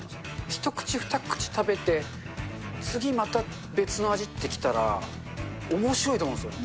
一口、二口食べて、次また別の味ってきたら、おもしろいと思うんですよ。